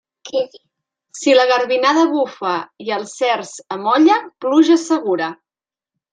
Si la garbinada bufa i el cerç amolla, pluja segura.